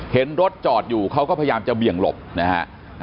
เห็นรถจอดอยู่เขาก็พยายามจะเบี่ยงหลบนะฮะ